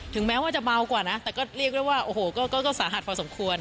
แม้ว่าจะเบากว่านะแต่ก็เรียกได้ว่าโอ้โหก็สาหัสพอสมควร